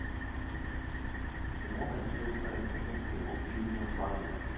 A woman sits at a picnic table eating with luggage.